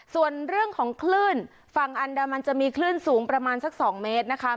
ส่วนเรื่องของคลื่นฝั่งอันดามันจะมีคลื่นสูงประมาณสัก๒เมตรนะคะ